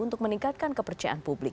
untuk meningkatkan kepercayaan publik